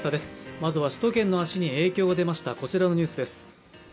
まずは首都圏の足に影響が出ましたこちらのニュースです。